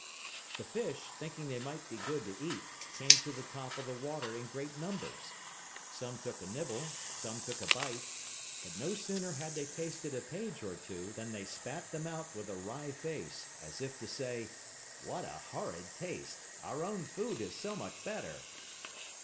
The fish, thinking they might be good to eat, came to the top of the water in great numbers. Some took a nibble, some took a bite, but no sooner had they tasted a page or two, than they spat them out with a wry face, as if to say: "What a horrid taste! Our own food is so much better!"